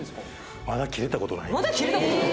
まだ切れた事ない。